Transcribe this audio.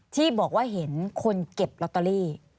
ที่บอกว่าเห็นคนเก็บลอตเตอรี่